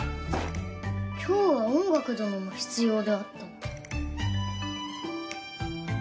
今日は音楽どのも必要であったな。